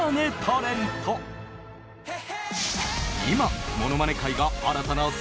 今。